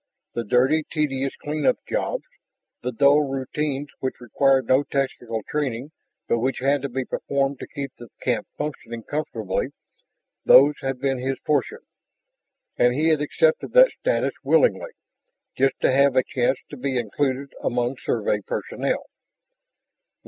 The dirty, tedious clean up jobs, the dull routines which required no technical training but which had to be performed to keep the camp functioning comfortably, those had been his portion. And he had accepted that status willingly, just to have a chance to be included among Survey personnel.